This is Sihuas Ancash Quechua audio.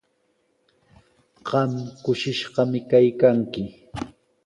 Qam kushishqami kaykanki.